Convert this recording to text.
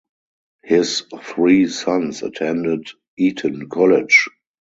His three sons attended Eton College.